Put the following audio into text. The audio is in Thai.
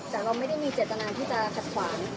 แต่เราไม่ได้มีเจตนาที่จะขัดขวาง